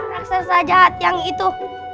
untuk melawan raksasa jahat yang itu